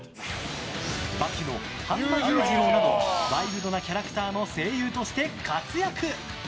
「刃牙」の範馬勇次郎などワイルドなキャラクターの声優として活躍。